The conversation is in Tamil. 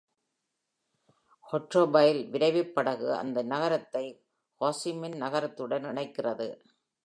ஹைட்ரோஃபைல் விரைவுப் படகு இந்த நகரத்தை ஹோ சி மின் நகரத்துடன் இணைக்கிறது.